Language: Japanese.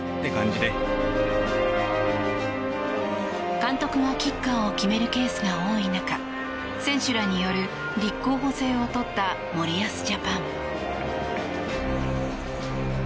監督がキッカーを決めるケースが多い中選手らによる立候補制を取った森保ジャパン。